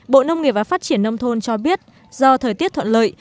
bộ nông nghiệp và phát triển nông thôn cho biết do thời tiết thuận lợi